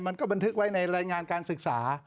บันทึกไว้ในรายงานการศึกษา